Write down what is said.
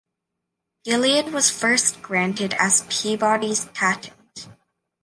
Gilead was first granted as Peabody's Patent.